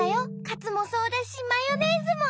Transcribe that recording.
カツもそうだしマヨネーズも。